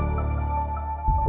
aku akan mencari cherry